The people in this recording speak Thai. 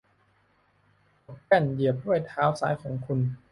กดแป้นเหยียบด้วยเท้าซ้ายของคุณ